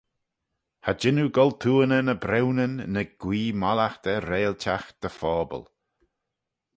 Cha jean oo goltooaney ny briwnyn ny guee mollaght da reilltagh dty phobble.